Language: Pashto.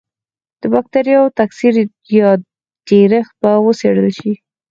د بکټریاوو تکثر یا ډېرښت به وڅېړل شي.